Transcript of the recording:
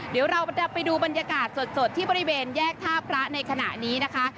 เดี๋ยวเราจะไปดูบรรยากาศสดที่บริเวณแยกท่าพระในขณะนี้นะคะ